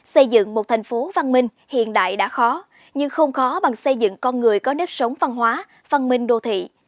xây dựng một thành phố văn minh hiện đại đã khó nhưng không khó bằng xây dựng con người có nếp sống văn hóa văn minh đô thị